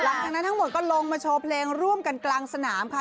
หลังจากนั้นทั้งหมดก็ลงมาโชว์เพลงร่วมกันกลางสนามค่ะ